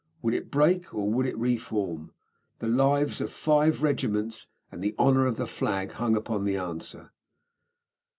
Would it break or would it re form? The lives of five regiments and the honour of the flag hung upon the answer.